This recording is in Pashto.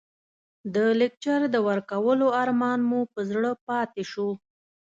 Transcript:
د لکچر د ورکولو ارمان مو په زړه پاتې شو.